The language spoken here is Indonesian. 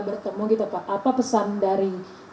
bertemu gitu pak apa pesan dari